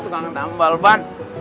tukang tambal ban